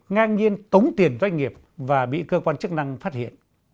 ngang nhiên tống tiền doanh nghiệp và bị cơ quan chức năng phát hiện